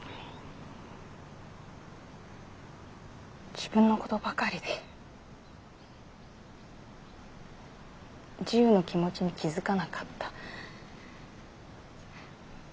自分のことばかりでジウの気持ちに気付かなかった。